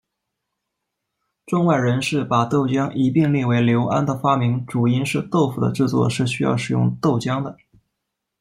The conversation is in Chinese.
中外人士把豆浆一拼列为刘安的发明主因是豆腐的制作是需要使用豆浆的。